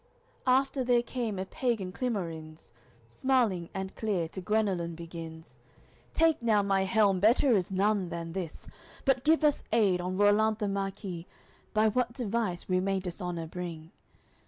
XLIX After there came a pagan, Climorins, Smiling and clear to Guenelun begins: "Take now my helm, better is none than this; But give us aid, on Rollant the marquis, By what device we may dishonour bring."